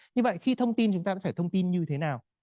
như vậy khi thông tin chúng ta sẽ phải thông tin như thế nào